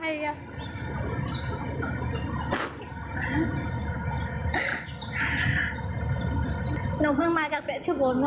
หนูเดินทางมาจากภาพบุคคล